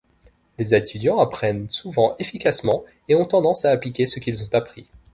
Les étudiants apprennent souvent efficacement et ont tendance à appliquer ce qu'ils ont appris.